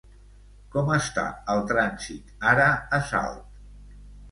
Com està el trànsit ara a Salt?